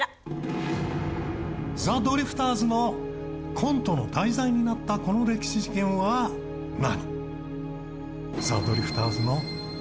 ザ・ドリフターズのコントの題材になったこの歴史事件は何？